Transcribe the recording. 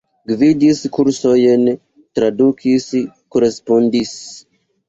Gvidis kursojn, tradukis, korespondis.